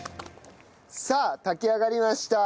さあ炊き上がりました！